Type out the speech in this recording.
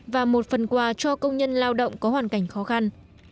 và một phần quà cho công nhân lao động có hoàn cảnh khó khăn